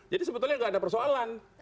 jadi sebetulnya tidak ada persoalan